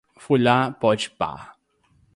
fui lá, pode pá